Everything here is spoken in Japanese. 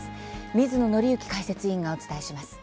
水野倫之解説員がお伝えします。